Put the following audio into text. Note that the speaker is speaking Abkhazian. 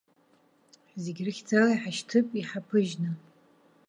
Зегь рыхьӡала иҳашьҭып иҳаԥыжьны!